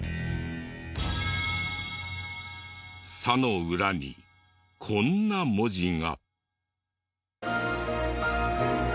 「サ」の裏にこんな文字が。